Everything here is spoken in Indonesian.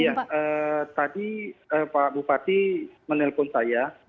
iya tadi pak bupati menelpon saya